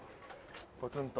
ポツンと。